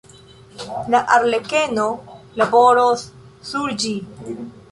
La arlekeno laboros sur ĝi.